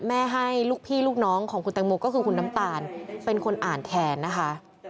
ให้ลูกพี่ลูกน้องของคุณแตงโมก็คือคุณน้ำตาลเป็นคนอ่านแทนนะคะ